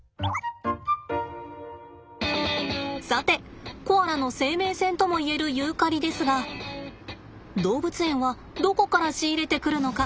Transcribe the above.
さてコアラの生命線ともいえるユーカリですが動物園はどこから仕入れてくるのか？